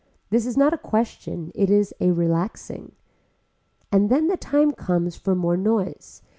This is not a question, it is a relaxing. And then the time comes for more noise.